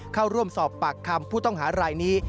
เข้าร่วมสอบปากคำผู้ต้องหารายนี้